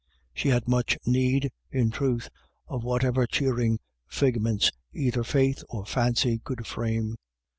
She had much need, in truth, of whatever cheering figments either faith or fancy could frame.